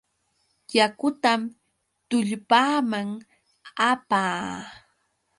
Yakutam tullpaaman apaa.